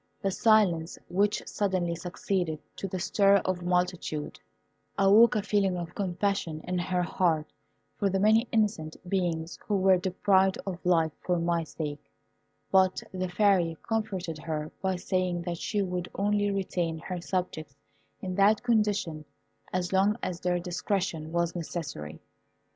The silence which suddenly succeeded to the stir of a multitude, awoke a feeling of compassion in her heart for the many innocent beings who were deprived of life for my sake; but the Fairy comforted her by saying that she would only retain her subjects in that condition as long as their discretion was necessary.